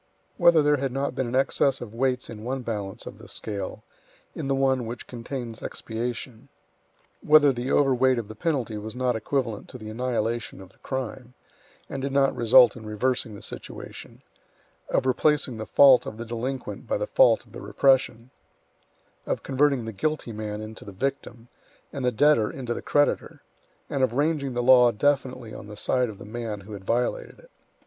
Whether there had not been an excess of weights in one balance of the scale, in the one which contains expiation. Whether the over weight of the penalty was not equivalent to the annihilation of the crime, and did not result in reversing the situation, of replacing the fault of the delinquent by the fault of the repression, of converting the guilty man into the victim, and the debtor into the creditor, and of ranging the law definitely on the side of the man who had violated it.